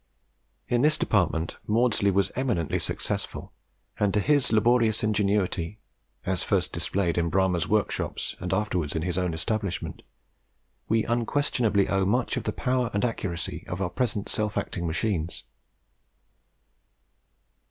In this department Maudslay was eminently successful, and to his laborious ingenuity, as first displayed in Bramah's workshops, and afterwards in his own establishment, we unquestionably owe much of the power and accuracy of our present self acting machines.